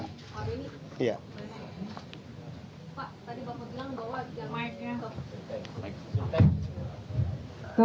pak tadi pak fadilang jauh lagi jangan mainkan